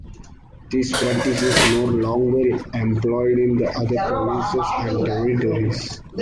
This practice is no longer employed in the other provinces and territories.